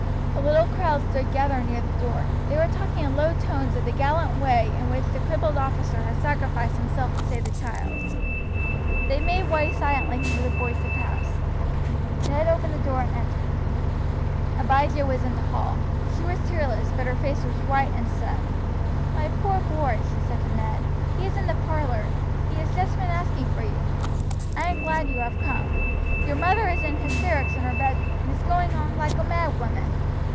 A little crowd stood gathered near the door. They were talking in low tones of the gallant way in which the crippled officer had sacrificed himself to save the child. They made way silently for the boys to pass. Ned opened the door and entered. Abijah was in the hall. She was tearless, but her face was white and set. "My poor boy," she said to Ned, "he is in the parlor; he has just been asking for you. I am glad you have come. Your mother is in hysterics in her bedroom, and is going on like a mad woman.